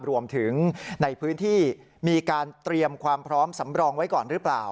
รวมถึงในพื้นที่มีการเตรียมความพร้อมสำรองไว้ก่อนหรือเปล่า